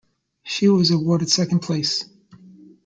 She was awarded second place.